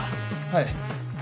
はい。